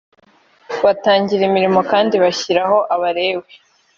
batangira imirimo kandi bashyiraho abalewi